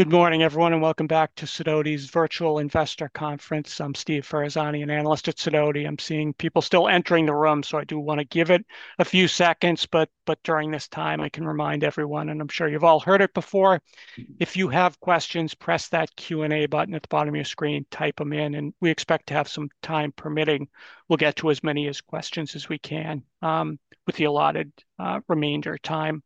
Good morning, everyone, and welcome back to Sidoti's Virtual Investor Conference. I'm Steve Ferazani, an analyst at Sidoti. I'm seeing people still entering the room, so I do want to give it a few seconds. During this time, I can remind everyone, and I'm sure you've all heard it before, if you have questions, press that Q&A button at the bottom of your screen, type them in, and we expect to have some time permitting. We'll get to as many questions as we can with the allotted remainder of time.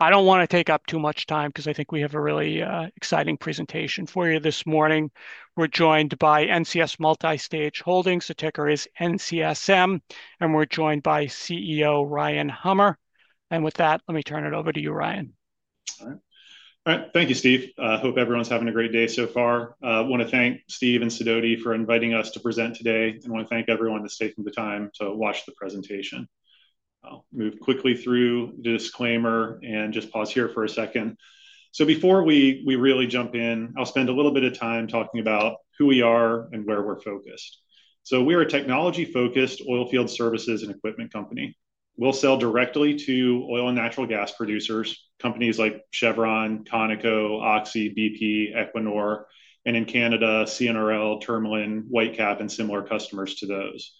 I don't want to take up too much time because I think we have a really exciting presentation for you this morning. We're joined by NCS Multistage Holdings. The ticker is NCSM, and we're joined by CEO Ryan Hummer. With that, let me turn it over to you, Ryan. Thank you, Steve. I hope everyone's having a great day so far. I want to thank Steve and Sidoti for inviting us to present today, and I want to thank everyone that's taken the time to watch the presentation. I'll move quickly through the disclaimer and just pause here for a second. Before we really jump in, I'll spend a little bit of time talking about who we are and where we're focused. We are a technology-focused oilfield services and equipment company. We sell directly to oil and natural gas producers, companies like Chevron, ConocoPhillips, [Oxy], BP, Equinor, and in Canada, CNRL, Tourmaline, Whitecap, and similar customers to those.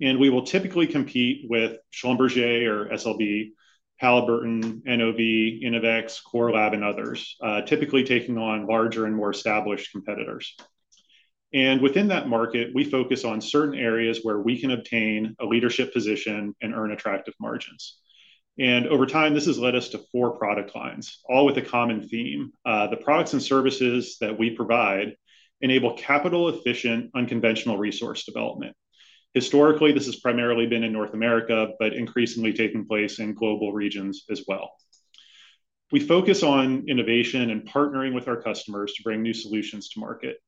We typically compete with Schlumberger or SLB, Halliburton, NOV, INNOVX, CoreLab, and others, typically taking on larger and more established competitors. Within that market, we focus on certain areas where we can obtain a leadership position and earn attractive margins. Over time, this has led us to four product lines, all with a common theme. The products and services that we provide enable capital-efficient, unconventional resource development. Historically, this has primarily been in North America, but increasingly taking place in global regions as well. We focus on innovation and partnering with our customers to bring new solutions to market,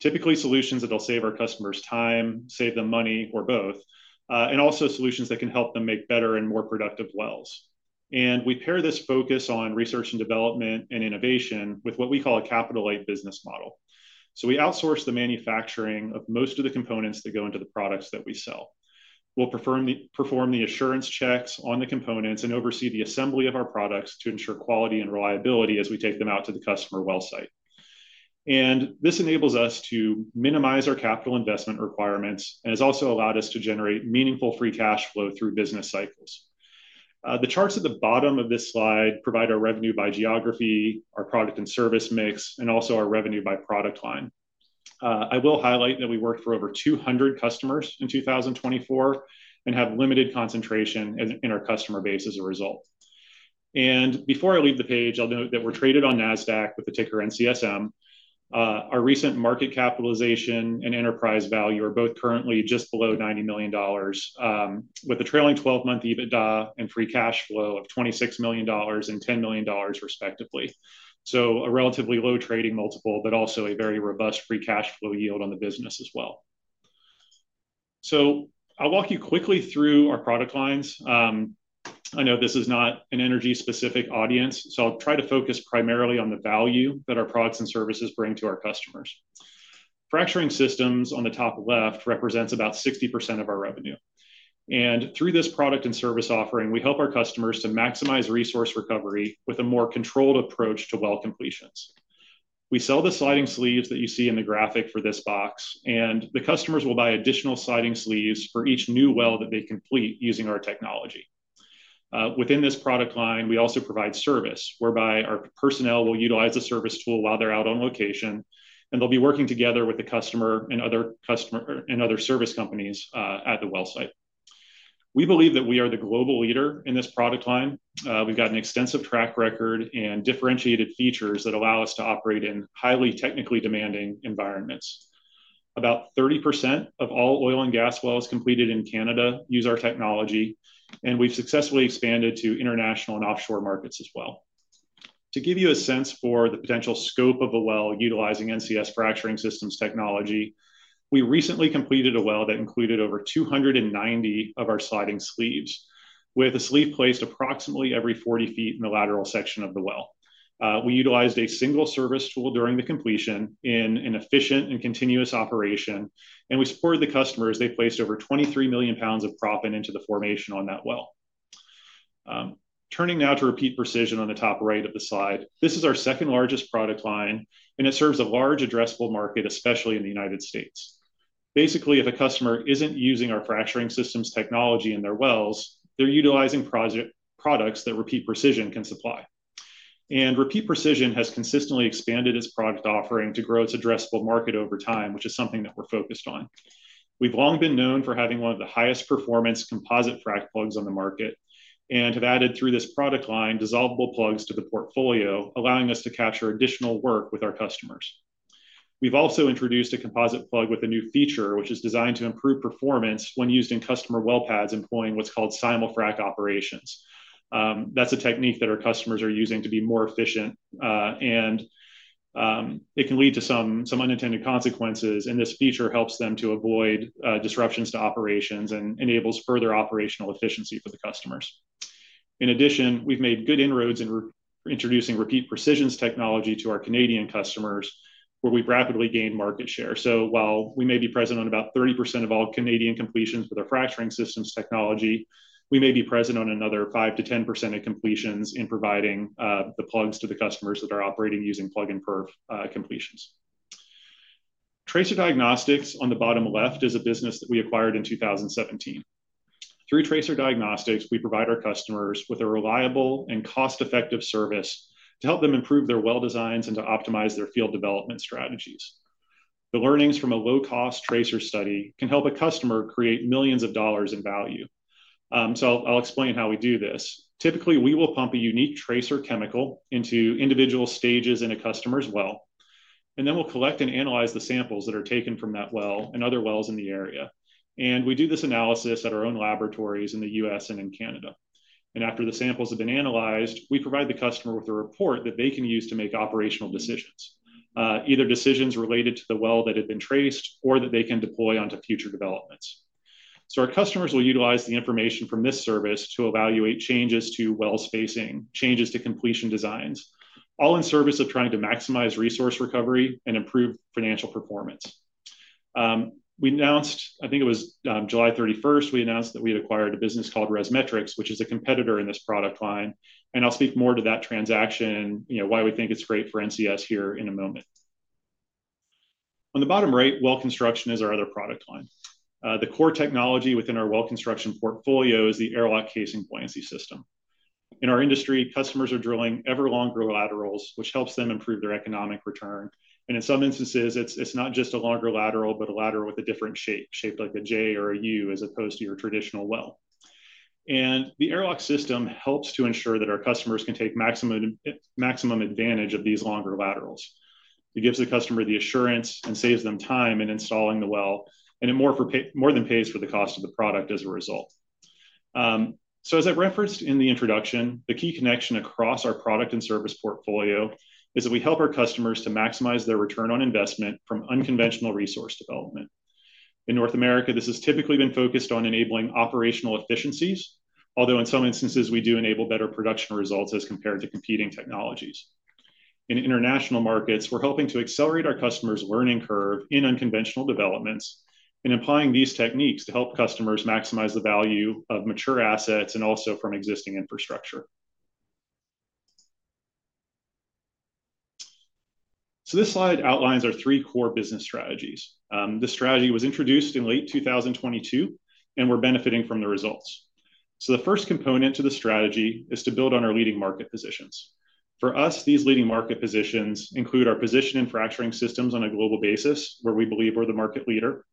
typically solutions that will save our customers time, save them money, or both, and also solutions that can help them make better and more productive wells. We pair this focus on research and development and innovation with what we call a capital-light business model. We outsource the manufacturing of most of the components that go into the products that we sell. We perform the assurance checks on the components and oversee the assembly of our products to ensure quality and reliability as we take them out to the customer well site. This enables us to minimize our capital investment requirements and has also allowed us to generate meaningful free cash flow through business cycles. The charts at the bottom of this slide provide our revenue by geography, our product and service mix, and also our revenue by product line. I will highlight that we worked for over 200 customers in 2024 and have limited concentration in our customer base as a result. Before I leave the page, I'll note that we're traded on NASDAQ with the ticker NCSM. Our recent market capitalization and enterprise value are both currently just below $90 million, with a trailing 12-month EBITDA and free cash flow of $26 million and $10 million, respectively. This is a relatively low trading multiple, but also a very robust free cash flow yield on the business as well. I'll walk you quickly through our product lines. I know this is not an energy-specific audience, so I'll try to focus primarily on the value that our products and services bring to our customers. Fracturing systems on the top left represents about 60% of our revenue. Through this product and service offering, we help our customers to maximize resource recovery with a more controlled approach to well completions. We sell the sliding sleeves that you see in the graphic for this box, and the customers will buy additional sliding sleeves for each new well that they complete using our technology. Within this product line, we also provide service whereby our personnel will utilize a service tool while they're out on location, and they'll be working together with the customer and other service companies at the well site. We believe that we are the global leader in this product line. We've got an extensive track record and differentiated features that allow us to operate in highly technically demanding environments. About 30% of all oil and gas wells completed in Canada use our technology, and we've successfully expanded to international and offshore markets as well. To give you a sense for the potential scope of a well utilizing NCS fracturing systems technology, we recently completed a well that included over 290 of our sliding sleeves, with a sleeve placed approximately every 40 feet in the lateral section of the well. We utilized a single service tool during the completion in an efficient and continuous operation, and we supported the customers as they placed over 23 million pounds of proppant into the formation on that well. Turning now to Repeat Precision on the top right of the slide, this is our second largest product line, and it serves a large addressable market, especially in the United States. Basically, if a customer isn't using our fracturing systems technology in their wells, they're utilizing products that Repeat Precision can supply. Repeat Precision has consistently expanded its product offering to grow its addressable market over time, which is something that we're focused on. We've long been known for having one of the highest performance composite frac plugs on the market and have added through this product line dissolvable frac plugs to the portfolio, allowing us to capture additional work with our customers. We've also introduced a composite plug with a new feature, which is designed to improve performance when used in customer well pads, employing what's called simul frac operations. That's a technique that our customers are using to be more efficient, and it can lead to some unintended consequences, and this feature helps them to avoid disruptions to operations and enables further operational efficiency for the customers. In addition, we've made good inroads in introducing Repeat Precision's technology to our Canadian customers, where we've rapidly gained market share. While we may be present on about 30% of all Canadian completions with our fracturing systems technology, we may be present on another 5%-10% of completions in providing the plugs to the customers that are operating using plug and perf completions. Tracer diagnostics on the bottom left is a business that we acquired in 2017. Through tracer diagnostics, we provide our customers with a reliable and cost-effective service to help them improve their well designs and to optimize their field development strategies. The learnings from a low-cost tracer study can help a customer create millions of dollars in value. I'll explain how we do this. Typically, we will pump a unique tracer chemical into individual stages in a customer's well, and then we'll collect and analyze the samples that are taken from that well and other wells in the area. We do this analysis at our own laboratories in the U.S. and in Canada. After the samples have been analyzed, we provide the customer with a report that they can use to make operational decisions, either decisions related to the well that had been traced or that they can deploy onto future developments. Our customers will utilize the information from this service to evaluate changes to well spacing, changes to completion designs, all in service of trying to maximize resource recovery and improve financial performance. We announced, I think it was July 31, we announced that we had acquired a business called ResMetrics, which is a competitor in this product line. I'll speak more to that transaction and why we think it's great for NCS here in a moment. On the bottom right, well construction is our other product line. The core technology within our well construction portfolio is the airlock casing buoyancy system. In our industry, customers are drilling ever longer laterals, which helps them improve their economic return. In some instances, it's not just a longer lateral, but a lateral with a different shape, shape like a J or a U, as opposed to your traditional well. The airlock system helps to ensure that our customers can take maximum advantage of these longer laterals. It gives the customer the assurance and saves them time in installing the well, and it more than pays for the cost of the product as a result. As I've referenced in the introduction, the key connection across our product and service portfolio is that we help our customers to maximize their return on investment from unconventional resource development. In North America, this has typically been focused on enabling operational efficiencies, although in some instances, we do enable better production results as compared to competing technologies. In international markets, we're helping to accelerate our customers' learning curve in unconventional developments and applying these techniques to help customers maximize the value of mature assets and also from existing infrastructure. This slide outlines our three core business strategies. This strategy was introduced in late 2022, and we're benefiting from the results. The first component to the strategy is to build on our leading market positions. For us, these leading market positions include our position in fracturing systems on a global basis, where we believe we're the market leader,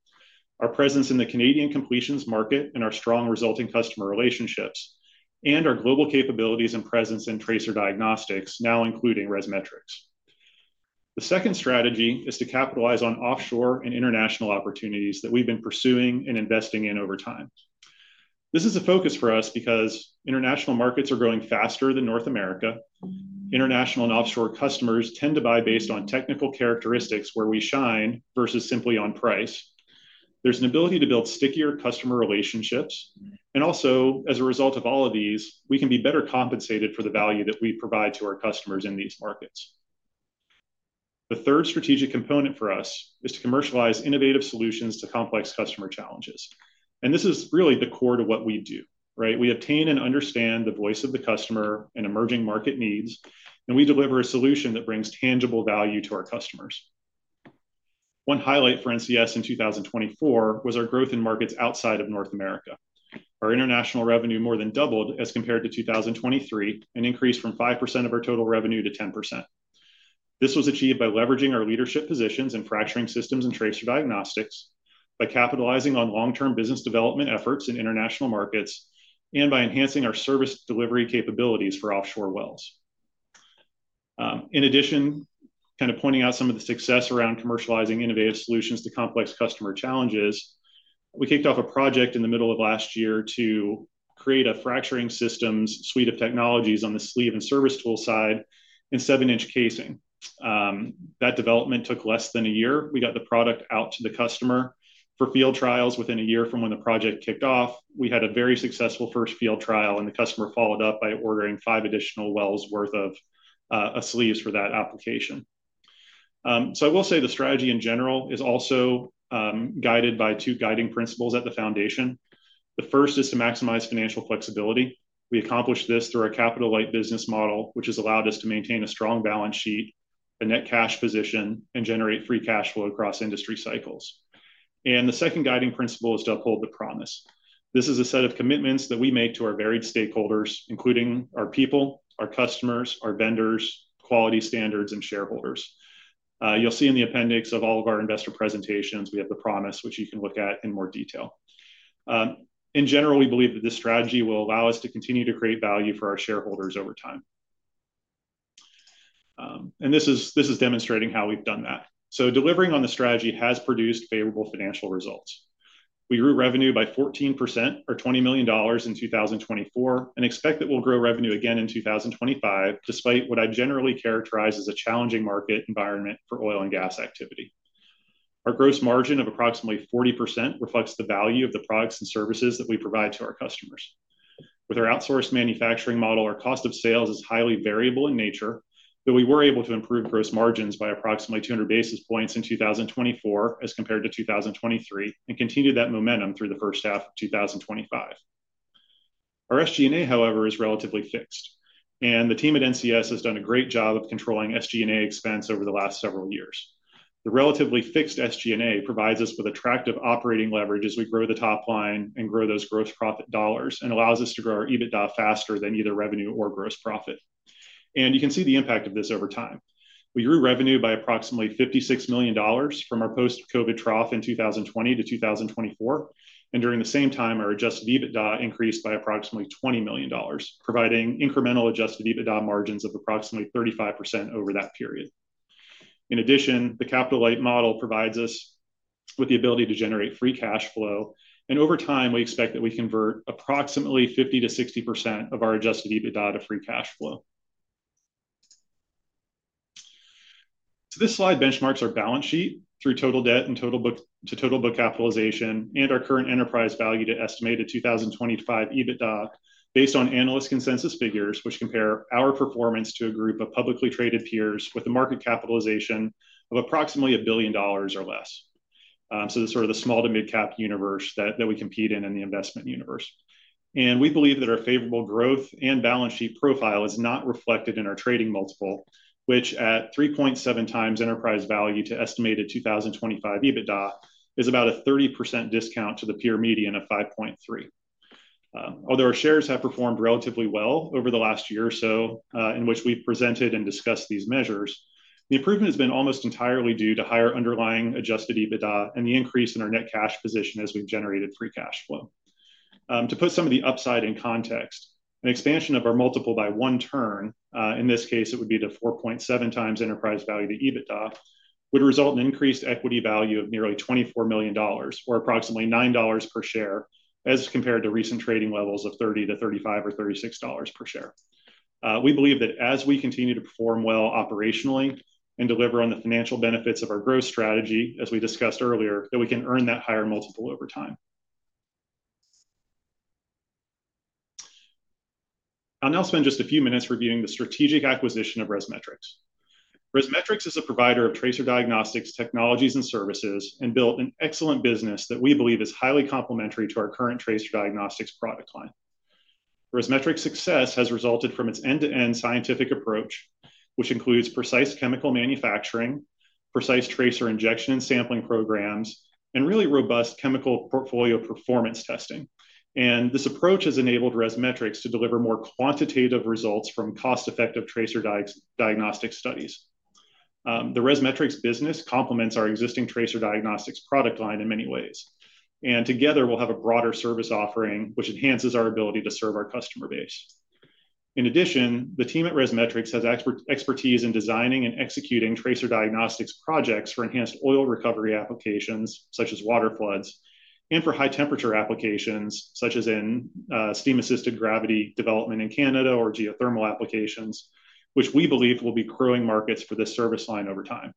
our presence in the Canadian completions market, and our strong resulting customer relationships, and our global capabilities and presence in tracer diagnostics, now including ResMetrics. The second strategy is to capitalize on offshore and international opportunities that we've been pursuing and investing in over time. This is a focus for us because international markets are growing faster than North America. International and offshore customers tend to buy based on technical characteristics where we shine versus simply on price. There's an ability to build stickier customer relationships, and also, as a result of all of these, we can be better compensated for the value that we provide to our customers in these markets. The third strategic component for us is to commercialize innovative solutions to complex customer challenges. This is really the core to what we do. We obtain and understand the voice of the customer and emerging market needs, and we deliver a solution that brings tangible value to our customers. One highlight for NCS. in 2024 was our growth in markets outside of North America. Our international revenue more than doubled as compared to 2023 and increased from 5% of our total revenue to 10%. This was achieved by leveraging our leadership positions in fracturing systems and tracer diagnostics, by capitalizing on long-term business development efforts in international markets, and by enhancing our service delivery capabilities for offshore wells. In addition, pointing out some of the success around commercializing innovative solutions to complex customer challenges, we kicked off a project in the middle of last year to create a fracturing systems suite of technologies on the sleeve and service tool side in seven-inch casing. That development took less than a year. We got the product out to the customer for field trials within a year from when the project kicked off. We had a very successful first field trial, and the customer followed up by ordering five additional wells' worth of sleeves for that application. I will say the strategy in general is also guided by two guiding principles at the foundation. The first is to maximize financial flexibility. We accomplish this through our capital-light business model, which has allowed us to maintain a strong balance sheet, a net cash position, and generate free cash flow across industry cycles. The second guiding principle is to uphold the promise. This is a set of commitments that we make to our varied stakeholders, including our people, our customers, our vendors, quality standards, and shareholders. You'll see in the appendix of all of our investor presentations, we have the promise, which you can look at in more detail. In general, we believe that this strategy will allow us to continue to create value for our shareholders over time. This is demonstrating how we've done that. Delivering on the strategy has produced favorable financial results. We grew revenue by 14%, or $20 million, in 2024 and expect that we'll grow revenue again in 2025, despite what I generally characterize as a challenging market environment for oil and gas activity. Our gross margin of approximately 40% reflects the value of the products and services that we provide to our customers. With our outsourced manufacturing model, our cost of sales is highly variable in nature, but we were able to improve gross margins by approximately 200 basis points in 2024 as compared to 2023 and continued that momentum through the first half of 2025. Our SG&A, however, is relatively fixed. The team at NCS has done a great job of controlling SG&A expense over the last several years. The relatively fixed SG&A provides us with attractive operating leverage as we grow the top line and grow those gross profit dollars and allows us to grow our EBITDA faster than either revenue or gross profit. You can see the impact of this over time. We grew revenue by approximately $56 million from our post-COVID trough in 2020 to 2024. During the same time, our adjusted EBITDA increased by approximately $20 million, providing incremental adjusted EBITDA margins of approximately 35% over that period. In addition, the capital-light model provides us with the ability to generate free cash flow. Over time, we expect that we convert approximately 50%-60% of our adjusted EBITDA to free cash flow. This slide benchmarks our balance sheet through total debt and total book to total book capitalization and our current enterprise value to estimated 2025 EBITDA based on analyst consensus figures, which compare our performance to a group of publicly traded peers with a market capitalization of approximately $1 billion or less. This is sort of the small to mid-cap universe that we compete in and the investment universe. We believe that our favorable growth and balance sheet profile is not reflected in our trading multiple, which at 3.7x enterprise value to estimated 2025 EBITDA is about a 30% discount to the peer median of 5.3. Although our shares have performed relatively well over the last year or so in which we've presented and discussed these measures, the improvement has been almost entirely due to higher underlying adjusted EBITDA and the increase in our net cash position as we've generated free cash flow. To put some of the upside in context, an expansion of our multiple by one turn, in this case, it would be to 4.7x enterprise value to EBITDA, would result in increased equity value of nearly $24 million, or approximately $9 per share as compared to recent trading levels of $30-$35 or $36 per share. We believe that as we continue to perform well operationally and deliver on the financial benefits of our growth strategy, as we discussed earlier, that we can earn that higher multiple over time. I'll now spend just a few minutes reviewing the strategic acquisition of ResMetrics. ResMetrics is a provider of tracer diagnostics technologies and services and built an excellent business that we believe is highly complementary to our current tracer diagnostics product line. ResMetrics' success has resulted from its end-to-end scientific approach, which includes precise chemical manufacturing, precise tracer injection and sampling programs, and really robust chemical portfolio performance testing. This approach has enabled ResMetrics to deliver more quantitative results from cost-effective tracer diagnostic studies. The ResMetrics business complements our existing tracer diagnostics product line in many ways, and together, we'll have a broader service offering, which enhances our ability to serve our customer base. In addition, the team at ResMetrics has expertise in designing and executing tracer diagnostics projects for enhanced oil recovery applications, such as water floods, and for high-temperature applications, such as in steam-assisted gravity development in Canada or geothermal applications, which we believe will be growing markets for this service line over time.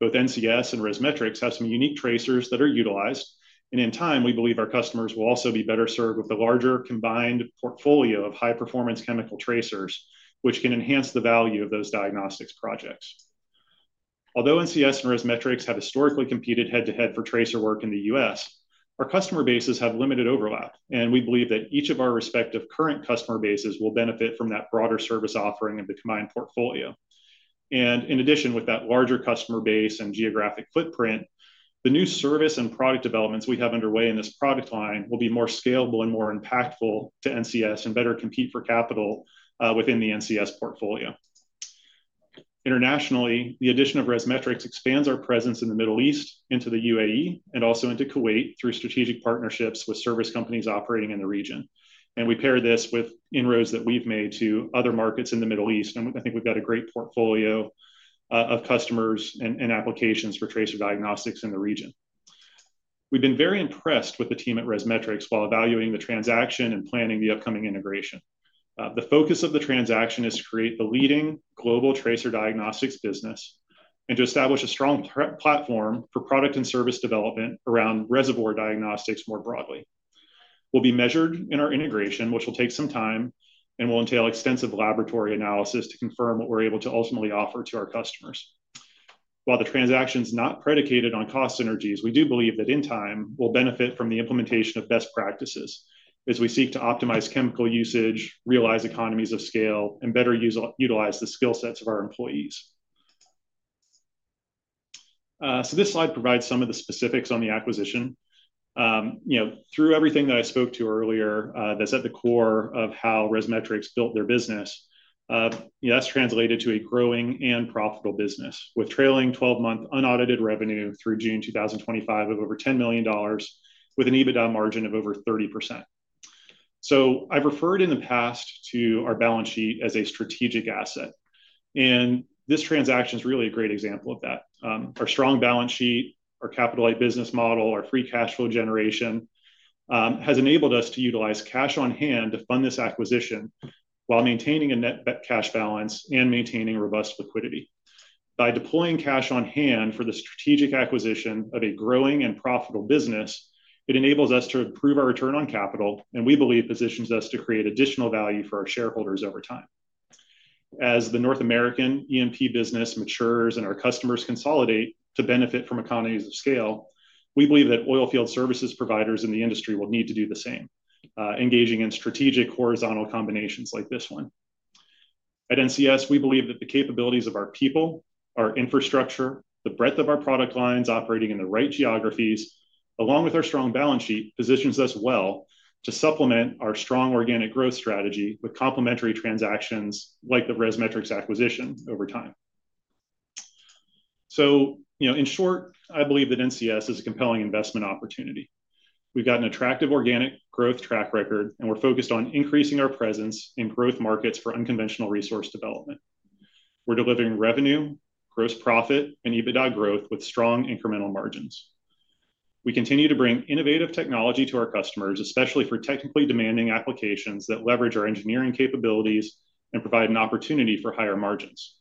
Both NCS and ResMetrics have some unique tracers that are utilized. In time, we believe our customers will also be better served with a larger combined portfolio of high-performance chemical tracers, which can enhance the value of those diagnostics projects. Although NCS and ResMetrics have historically competed head-to-head for tracer work in the U.S., our customer bases have limited overlap. We believe that each of our respective current customer bases will benefit from that broader service offering of the combined portfolio. In addition, with that larger customer base and geographic footprint, the new service and product developments we have underway in this product line will be more scalable and more impactful to NCS and better compete for capital within the NCS portfolio. Internationally, the addition of ResMetrics expands our presence in the Middle East into the UAE and also into Kuwait through strategic partnerships with service companies operating in the region. We pair this with inroads that we've made to other markets in the Middle East. I think we've got a great portfolio of customers and applications for tracer diagnostics in the region. We've been very impressed with the team at ResMetrics while evaluating the transaction and planning the upcoming integration. The focus of the transaction is to create the leading global tracer diagnostics business and to establish a strong platform for product and service development around reservoir diagnostics more broadly. We'll be measured in our integration, which will take some time and will entail extensive laboratory analysis to confirm what we're able to ultimately offer to our customers. While the transaction is not predicated on cost synergies, we do believe that in time, we'll benefit from the implementation of best practices as we seek to optimize chemical usage, realize economies of scale, and better utilize the skill sets of our employees. This slide provides some of the specifics on the acquisition. Through everything that I spoke to earlier, that's at the core of how ResMetrics built their business, that's translated to a growing and profitable business with trailing 12-month unaudited revenue through June 2025 of over $10 million, with an EBITDA margin of over 30%. I've referred in the past to our balance sheet as a strategic asset. This transaction is really a great example of that. Our strong balance sheet, our capital-light business model, our free cash flow generation has enabled us to utilize cash on hand to fund this acquisition while maintaining a net cash balance and maintaining robust liquidity. By deploying cash on hand for the strategic acquisition of a growing and profitable business, it enables us to improve our return on capital, and we believe it positions us to create additional value for our shareholders over time. As the North American E&P business matures and our customers consolidate to benefit from economies of scale, we believe that oilfield services providers in the industry will need to do the same, engaging in strategic horizontal combinations like this one. At NCS, we believe that the capabilities of our people, our infrastructure, the breadth of our product lines operating in the right geographies, along with our strong balance sheet, positions us well to supplement our strong organic growth strategy with complementary transactions like the ResMetrics acquisition over time. In short, I believe that NCS is a compelling investment opportunity. We've got an attractive organic growth track record, and we're focused on increasing our presence in growth markets for unconventional resource development. We're delivering revenue, gross profit, and EBITDA growth with strong incremental margins. We continue to bring innovative technology to our customers, especially for technically demanding applications that leverage our engineering capabilities and provide an opportunity for higher margins.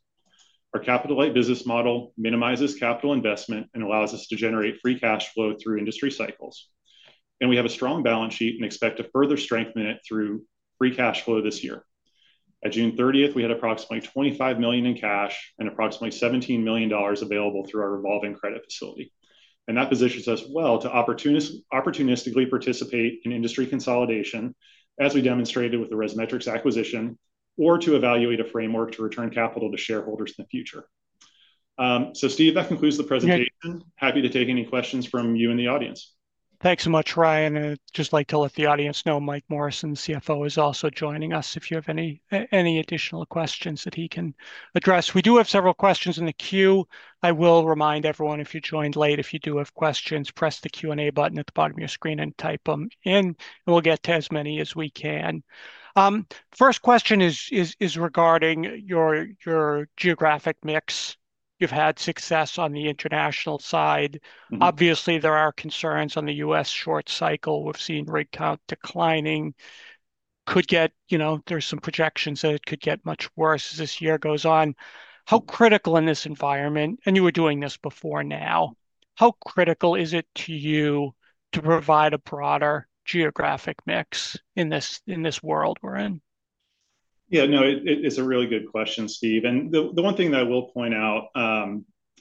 Our capital-light business model minimizes capital investment and allows us to generate free cash flow through industry cycles. We have a strong balance sheet and expect to further strengthen it through free cash flow this year. By June 30, we had approximately $25 million in cash and approximately $17 million available through our revolving credit facility. That positions us well to opportunistically participate in industry consolidation, as we demonstrated with the ResMetrics acquisition, or to evaluate a framework to return capital to shareholders in the future. Steve, that concludes the presentation. Happy to take any questions from you in the audience. Thanks so much, Ryan. I'd just like to let the audience know Mike Morrison, CFO, is also joining us. If you have any additional questions that he can address, we do have several questions in the queue. I will remind everyone, if you joined late, if you do have questions, press the Q&A button at the bottom of your screen and type them in, and we'll get to as many as we can. First question is regarding your geographic mix. You've had success on the international side. Obviously, there are concerns on the U.S. short cycle. We've seen rate count declining. There are some projections that it could get much worse as this year goes on. How critical in this environment, and you were doing this before now, how critical is it to you to provide a broader geographic mix in this world we're in? Yeah, no, it's a really good question, Steve. The one thing that I will point out,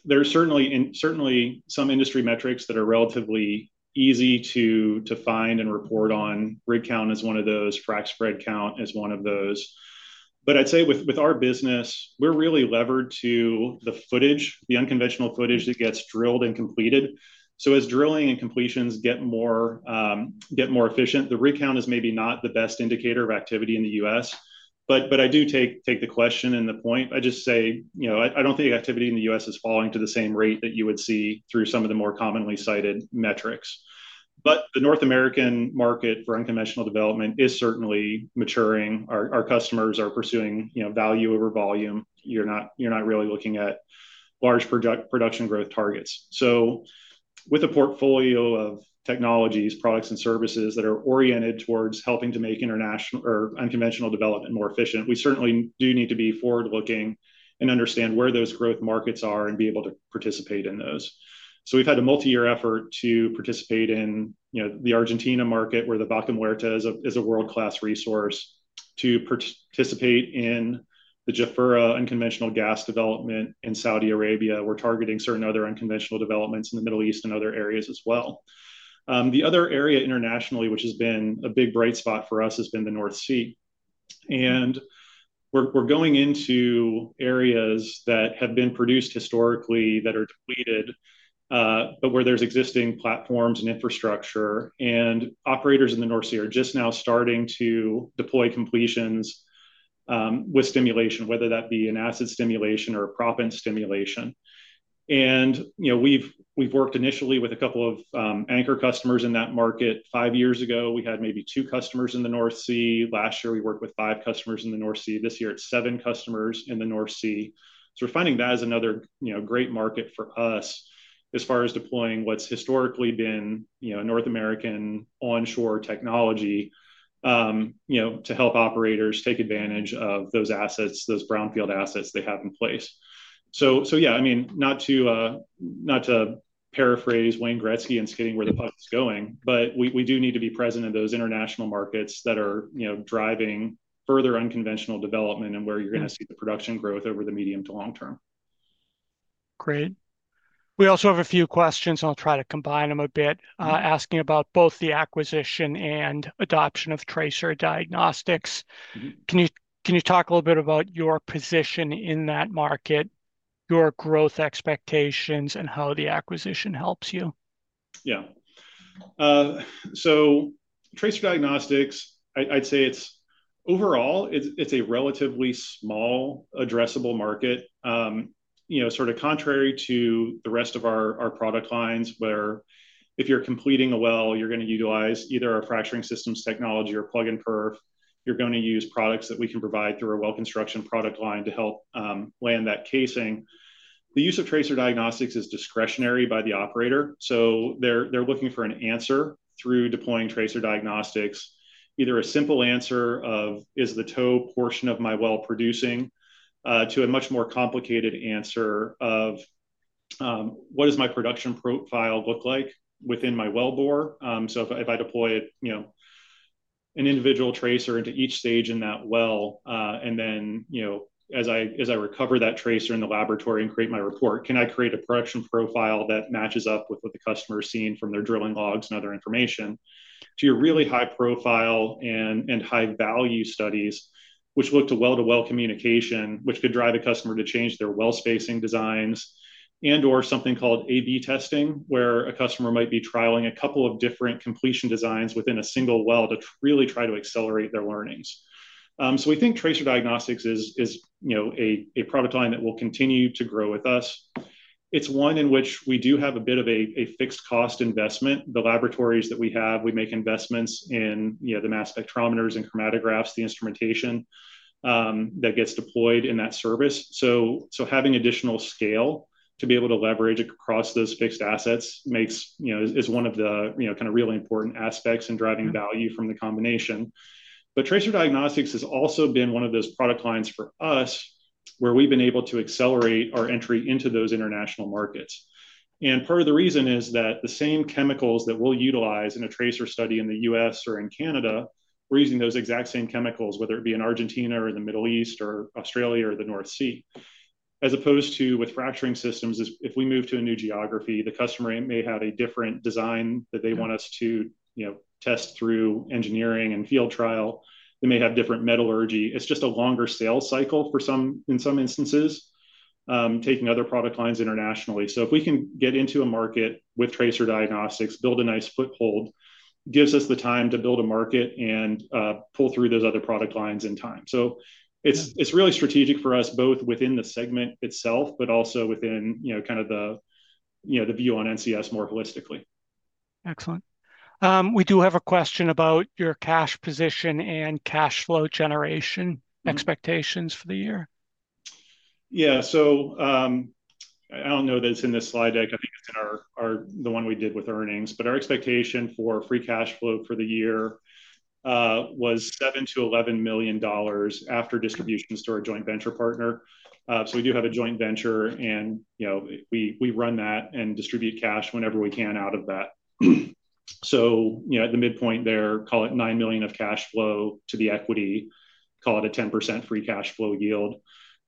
there are certainly some industry metrics that are relatively easy to find and report on. Rate count is one of those. Frac spread count is one of those. I'd say with our business, we're really levered to the footage, the unconventional footage that gets drilled and completed. As drilling and completions get more efficient, the rate count is maybe not the best indicator of activity in the U.S. I do take the question and the point. I just say, you know, I don't think activity in the U.S. is falling to the same rate that you would see through some of the more commonly cited metrics. The North American market for unconventional development is certainly maturing. Our customers are pursuing value over volume. You're not really looking at large production growth targets. With a portfolio of technologies, products, and services that are oriented towards helping to make international or unconventional development more efficient, we certainly do need to be forward-looking and understand where those growth markets are and be able to participate in those. We've had a multi-year effort to participate in the Argentina market, where the Vaca Muerta is a world-class resource, to participate in the Jafurah unconventional gas development in Saudi Arabia. We're targeting certain other unconventional developments in the Middle East and other areas as well. The other area internationally, which has been a big bright spot for us, has been the North Sea. We're going into areas that have been produced historically, that are depleted, but where there's existing platforms and infrastructure. Operators in the North Sea are just now starting to deploy completions with stimulation, whether that be an acid stimulation or a proppant stimulation. We've worked initially with a couple of anchor customers in that market. Five years ago, we had maybe two customers in the North Sea. Last year, we worked with five customers in the North Sea. This year, it's seven customers in the North Sea. We're finding that is another great market for us as far as deploying what's historically been North American onshore technology to help operators take advantage of those assets, those brownfield assets they have in place. I mean, not to paraphrase Wayne Gretzky and skating where the puck is going, but we do need to be present in those international markets that are driving further unconventional development and where you're going to see the production growth over the medium to long term. Great. We also have a few questions, and I'll try to combine them a bit, asking about both the acquisition and adoption of tracer diagnostics. Can you talk a little bit about your position in that market, your growth expectations, and how the acquisition helps you? Yeah. Tracer diagnostics, I'd say it's overall, it's a relatively small addressable market, sort of contrary to the rest of our product lines, where if you're completing a well, you're going to utilize either a fracturing systems technology or plug and perf. You're going to use products that we can provide through a well construction product line to help land that casing. The use of tracer diagnostics is discretionary by the operator. They're looking for an answer through deploying tracer diagnostics, either a simple answer of, is the toe portion of my well producing, to a much more complicated answer of, what does my production profile look like within my well bore? If I deploy an individual tracer into each stage in that well, and then as I recover that tracer in the laboratory and create my report, can I create a production profile that matches up with what the customer is seeing from their drilling logs and other information? To your really high profile and high value studies, which look to well-to-well communication, which could drive a customer to change their well spacing designs, and/or something called A/B testing, where a customer might be trialing a couple of different completion designs within a single well to really try to accelerate their learnings. We think tracer diagnostics is a product line that will continue to grow with us. It's one in which we do have a bit of a fixed cost investment. The laboratories that we have, we make investments in the mass spectrometers and chromatographs, the instrumentation that gets deployed in that service. Having additional scale to be able to leverage across those fixed assets is one of the kind of really important aspects in driving value from the combination. Tracer diagnostics has also been one of those product lines for us where we've been able to accelerate our entry into those international markets. Part of the reason is that the same chemicals that we'll utilize in a tracer study in the U.S. or in Canada, we're using those exact same chemicals, whether it be in Argentina or the Middle East or Australia or the North Sea. As opposed to with fracturing systems, if we move to a new geography, the customer may have a different design that they want us to test through engineering and field trial. They may have different metallurgy. It's just a longer sales cycle in some instances, taking other product lines internationally. If we can get into a market with tracer diagnostics, build a nice foothold, it gives us the time to build a market and pull through those other product lines in time. It's really strategic for us both within the segment itself, but also within kind of the view on NCS more holistically. Excellent. We do have a question about your cash position and cash flow generation expectations for the year. Yeah, I don't know that it's in this slide deck. I think it's in the one we did with earnings, but our expectation for free cash flow for the year was $7 million-$11 million after distributions to our joint venture partner. We do have a joint venture, and we run that and distribute cash whenever we can out of that. The midpoint there, call it $9 million of cash flow to the equity, call it a 10% free cash flow yield.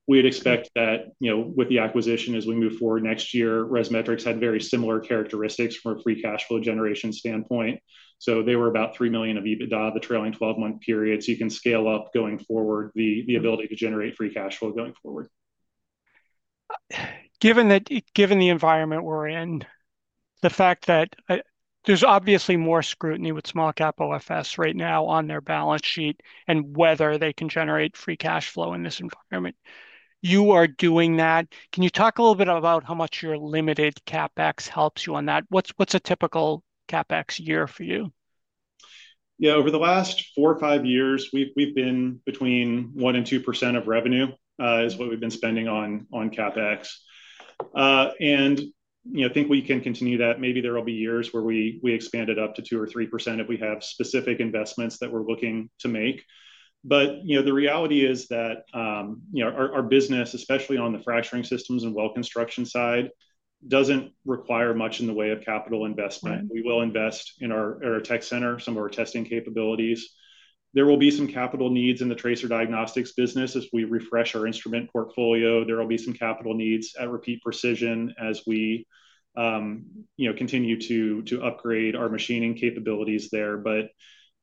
We would expect that with the acquisition as we move forward next year, ResMetrics had very similar characteristics from a free cash flow generation standpoint. They were about $3 million of EBITDA the trailing 12-month period. You can scale up going forward the ability to generate free cash flow going forward. Given the environment we're in, the fact that there's obviously more scrutiny with small-cap OFS right now on their balance sheet and whether they can generate free cash flow in this environment, you are doing that. Can you talk a little bit about how much your limited CapEx helps you on that? What's a typical CapEx year for you? Yeah, over the last four or five years, we've been between 1% and 2% of revenue is what we've been spending on CapEx. I think we can continue that. Maybe there will be years where we expand it up to 2% or 3% if we have specific investments that we're looking to make. The reality is that our business, especially on the fracturing systems and well construction side, doesn't require much in the way of capital investment. We will invest in our tech center, some of our testing capabilities. There will be some capital needs in the tracer diagnostics business as we refresh our instrument portfolio. There will be some capital needs at Repeat Precision as we continue to upgrade our machining capabilities there.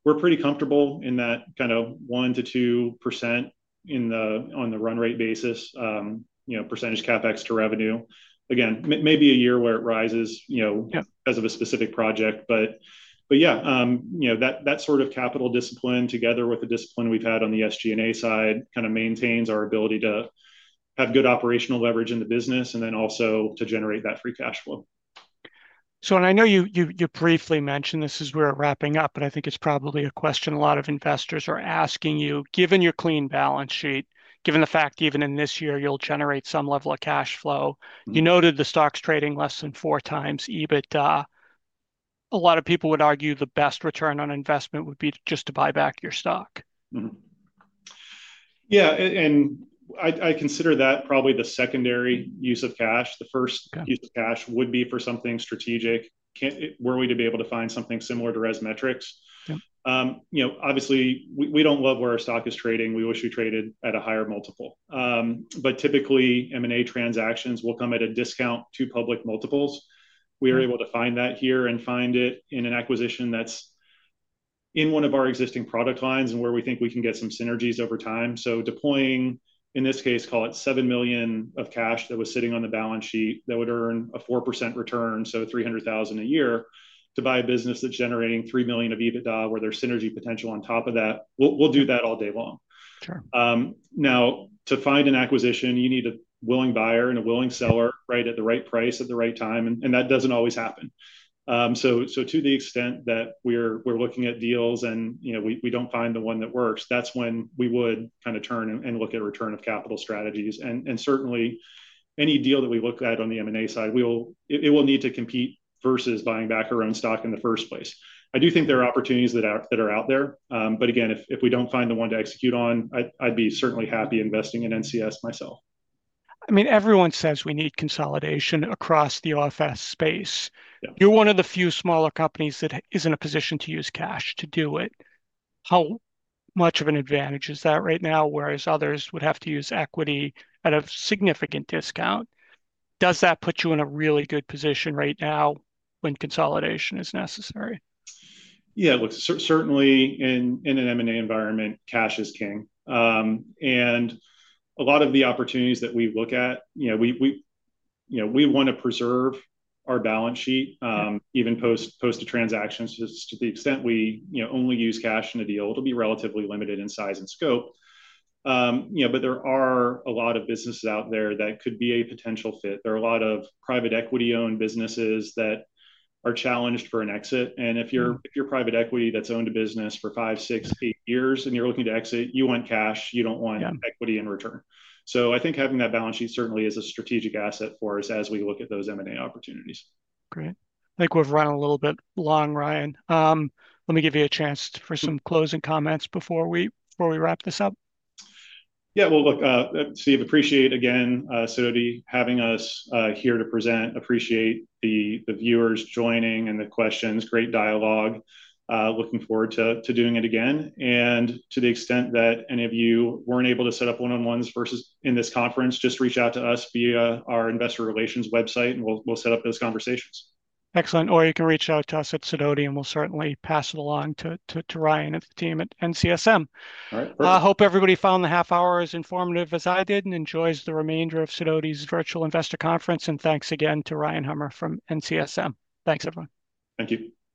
We're pretty comfortable in that kind of 1%-2% on the run rate basis, percentage CapEx to revenue. Again, maybe a year where it rises because of a specific project. That sort of capital discipline, together with the discipline we've had on the SG&A side, kind of maintains our ability to have good operational leverage in the business and then also to generate that free cash flow. I know you briefly mentioned this as we're wrapping up, but I think it's probably a question a lot of investors are asking you. Given your clean balance sheet, given the fact even in this year you'll generate some level of cash flow, you noted the stock's trading less than four times EBITDA. A lot of people would argue the best return on investment would be just to buy back your stock. Yeah, and I consider that probably the secondary use of cash. The first use of cash would be for something strategic. Were we to be able to find something similar to ResMetrics? Obviously, we don't love where our stock is trading. We wish we traded at a higher multiple. Typically, M&A transactions will come at a discount to public multiples. We are able to find that here and find it in an acquisition that's in one of our existing product lines and where we think we can get some synergies over time. Deploying, in this case, call it $7 million of cash that was sitting on the balance sheet that would earn a 4% return, so $300,000 a year, to buy a business that's generating $3 million of EBITDA where there's synergy potential on top of that, we'll do that all day long. To find an acquisition, you need a willing buyer and a willing seller right at the right price at the right time, and that doesn't always happen. To the extent that we're looking at deals and we don't find the one that works, that's when we would kind of turn and look at return of capital strategies. Certainly, any deal that we look at on the M&A side, it will need to compete versus buying back our own stock in the first place. I do think there are opportunities that are out there. If we don't find the one to execute on, I'd be certainly happy investing in NCS myself. I mean, everyone says we need consolidation across the OFS space. You're one of the few smaller companies that is in a position to use cash to do it. How much of an advantage is that right now, whereas others would have to use equity at a significant discount? Does that put you in a really good position right now when consolidation is necessary? Yeah, look, certainly in an M&A environment, cash is king. A lot of the opportunities that we look at, we want to preserve our balance sheet even post a transaction. To the extent we only use cash in a deal, it'll be relatively limited in size and scope. There are a lot of businesses out there that could be a potential fit. There are a lot of private equity-owned businesses that are challenged for an exit. If you're private equity that's owned a business for five, six, eight years, and you're looking to exit, you want cash. You don't want equity in return. I think having that balance sheet certainly is a strategic asset for us as we look at those M&A opportunities. Great. I think we've run a little bit long, Ryan. Let me give you a chance for some closing comments before we wrap this up. Yeah, look, Steve, appreciate again Sidoti having us here to present. Appreciate the viewers joining and the questions. Great dialogue. Looking forward to doing it again. To the extent that any of you weren't able to set up one-on-ones versus in this conference, just reach out to us via our investor relations website, and we'll set up those conversations. Excellent. You can reach out to us at Sidoti, and we'll certainly pass it along to Ryan and the team at NCSM. I hope everybody found the half hour as informative as I did and enjoys the remainder of Sidoti's Virtual Investor Conference. Thanks again to Ryan Hummer from NCS Multistage Holdings Inc. Thanks, everyone. Thank you.